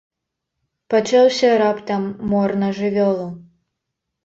Пачаўся раптам мор на жывёлу.